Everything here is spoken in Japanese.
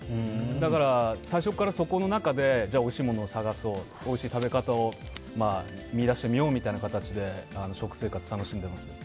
だから、最初からそこの中でおいしいものを探そうおいしい食べ方を見いだしてみようみたいな形で食生活を楽しんでいます。